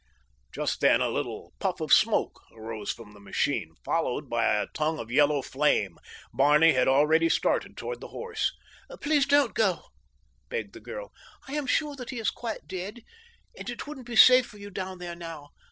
Just then a little puff of smoke arose from the machine, followed by a tongue of yellow flame. Barney had already started toward the horse. "Please don't go," begged the girl. "I am sure that he is quite dead, and it wouldn't be safe for you down there now.